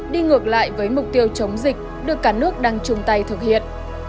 đi ngược lại với mục tiêu chống dịch được cả nước đang chung tay thực hiện